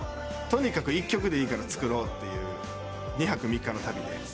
とにかく一曲でいいから作ろうっていう２泊３日の旅で。